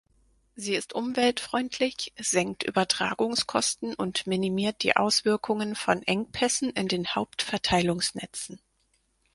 Sie ist umweltfreundlich, senkt Übertragungskosten und minimiert die Auswirkungen von Engpässen in den Hauptverteilungsnetzen.